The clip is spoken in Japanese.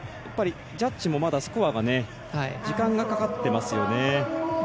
ジャッジもまだスコアが時間がかかってますよね。